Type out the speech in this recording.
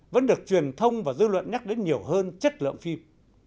vẫn được truyền thông và dư luận nhắc đến nhiều hơn chất lượng phim